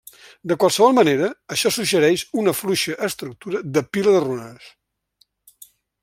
De qualsevol manera, això suggereix una fluixa estructura de pila de runes.